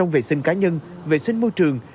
vệ sinh môi trường